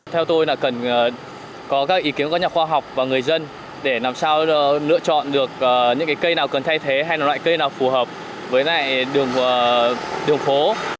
theo tôi là cần có các ý kiến của các nhà khoa học và người dân để làm sao lựa chọn được những cây nào cần thay thế hay là loại cây nào phù hợp với lại đường phố